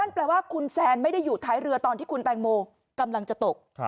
แปลว่าคุณแซนไม่ได้อยู่ท้ายเรือตอนที่คุณแตงโมกำลังจะตก